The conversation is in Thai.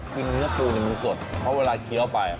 คือเนื้อปูมันสดเพราะเวลาเคี้ยวไป